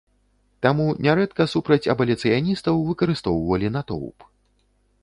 Таму нярэдка супраць абаліцыяністаў выкарыстоўвалі натоўп.